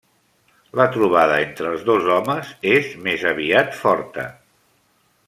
La trobada entre els dos homes és més aviat forta.